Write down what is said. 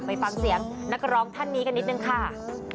ไปฟังเสียงนักร้องท่านนี้กันนิดนึงค่ะ